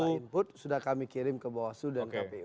misalnya input sudah kami kirim ke bawah slu dan kpu